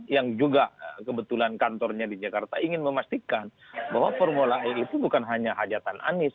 yang juga kebetulan kantornya di jakarta ingin memastikan bahwa formula e itu bukan hanya hajatan anies